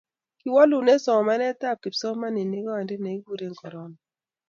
kiwolune somanetab kipsomaninik oindet ne kikuren korona